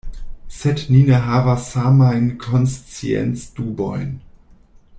Sed ni ne havas samajn konsciencdubojn.